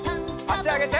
あしあげて。